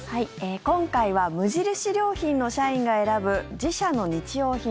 今回は無印良品の社員が選ぶ自社の日用品